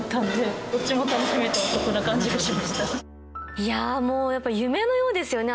いやもうやっぱり夢のようですよね